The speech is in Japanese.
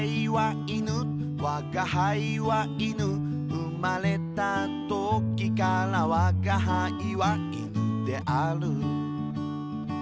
「生まれたときからわが輩は犬である」